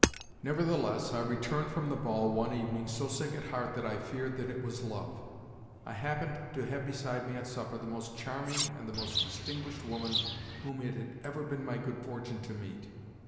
Nevertheless I returned from the ball one evening so sick at heart that I feared that it was love. I happened to have beside me at supper the most charming and the most distinguished woman whom it had ever been my good fortune to meet.